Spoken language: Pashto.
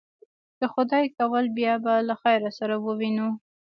که خدای کول، بیا به له خیره سره ووینو.